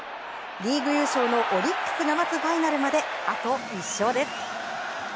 リーグ優勝のオリックスが待つファイナルまであと１勝です。